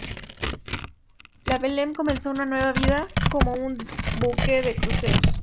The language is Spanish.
Le Belem comenzó una nueva vida como un buque de cruceros.